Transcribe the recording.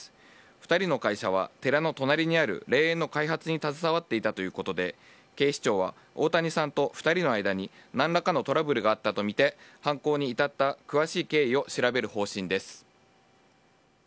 ２人の会社は寺の隣にある霊園の開発に携わっていたということで警視庁は大谷さんと２人の間に何らかのトラブルがあったとみて犯行に至った詳しい経緯を調べる方針です。